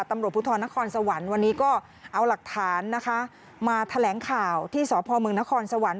ตำรวจภูทรนครสวรรค์วันนี้ก็เอาหลักฐานนะคะมาแถลงข่าวที่สพมนครสวรรค